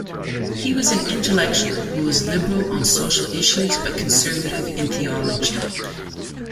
He was an intellectual who was liberal on social issues, but conservative in theology.